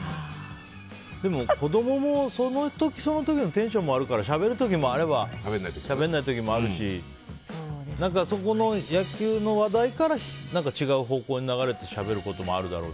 でも子供もその時その時のテンションもあるからしゃべる時もあればしゃべらない時もあるし野球の話題から違う方向に流れてしゃべることもあるだろうし。